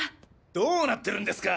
どうなってるんですか！？